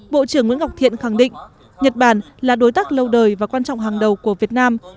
bộ trưởng nguyễn ngọc thiện khẳng định nhật bản là đối tác lâu đời và quan trọng hàng đầu của việt nam